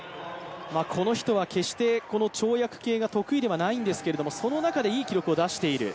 この人は決して跳躍系が得意ではないんですけど、その中でいい記録を出している。